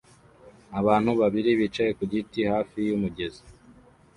Abantu babiri bicaye ku giti hafi yumugezi